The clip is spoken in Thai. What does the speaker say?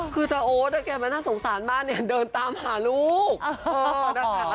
คือจาโอ๊ตแกมันน่าสงสารมากเนี่ยเดินตามหาลูกนะคะ